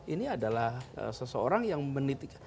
ini adalah seseorang yang menitik